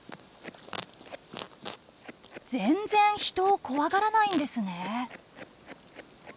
全然人を怖がらないんですね。